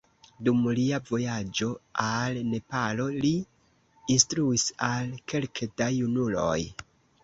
Dum lia vojaĝo al Nepalo, li instruis al kelke da junuloj.